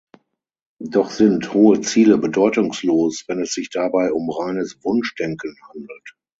Doch sind hohe Ziele bedeutungslos, wenn es sich dabei um reines Wunschdenken handelt.